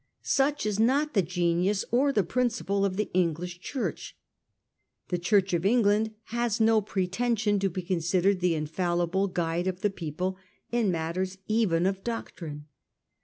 Such is not the genius or the principle of the English Church. The Church of England has no pretension to be considered the infallible guide of the people in matters even of doptrine.